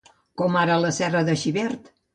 com ara la serra de Xivert